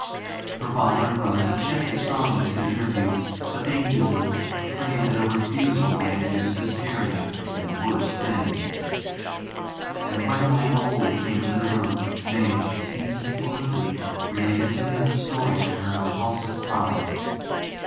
Her father and brothers objected strongly to the interview, but they yielded, afraid that a refusal might induce hysteria and worse things. And when Lionel Woolley came into the room, May, steeped in felicity, related to him the story of her impulsive crime.